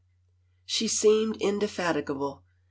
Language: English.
She seemed indefatigable.